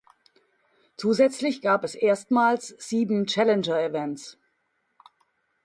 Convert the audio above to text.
Zusätzlich gab es erstmals sieben "Challenger Events".